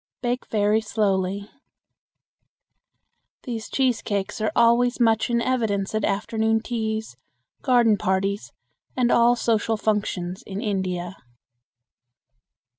Bake very slowly. These cheese cakes are always much in evidence at afternoon teas, garden parties, and all social functions in India.